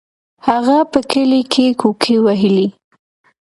هغه په کلي کې کوکې وهلې.